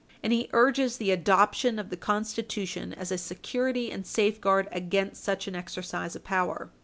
And he urges the adoption of the Constitution as a security and safeguard against such an exercise of power.